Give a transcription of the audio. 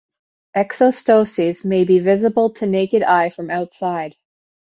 Exostoses may be visible to naked eye from outside.